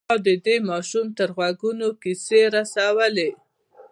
ما د دې ماشوم تر غوږونو کيسې رسولې.